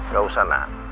gak usah nak